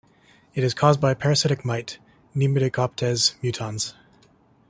It is caused by a parasitic mite, "Knemidocoptes mutans".